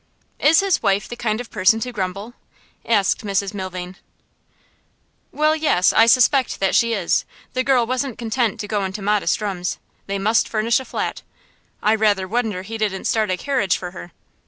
'Is his wife the kind of person to grumble?' asked Mrs Milvain. 'Well, yes, I suspect that she is. The girl wasn't content to go into modest rooms they must furnish a flat. I rather wonder he didn't start a carriage for her.